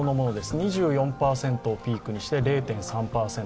２５％をピークにして０．３％。